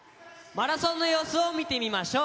マラソンの様子を見てみましょう。